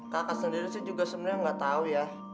kakak sendiri sih juga sebenarnya gak tau ya